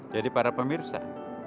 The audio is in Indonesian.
jadi para pemirsa